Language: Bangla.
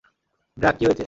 ড্রাক, কী হয়েছে?